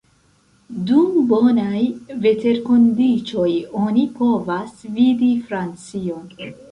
Dum bonaj veterkondiĉoj oni povas vidi Francion.